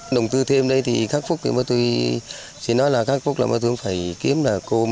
đồng tư thêm đây thì khắc phúc thì một tuổi xin nói là khắc phúc là một tuổi phải kiếm là cơm